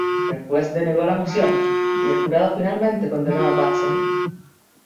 El juez denegó la moción, y el jurado finalmente condenó a Batson.